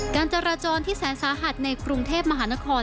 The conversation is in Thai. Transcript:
การจราจรที่แสนสาหัสในกรุงเทพมหานคร